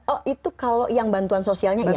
oh itu kalau yang bantuan sosialnya ya